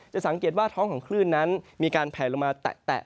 สังเกตว่าท้องของคลื่นนั้นมีการแผลลงมาแตะ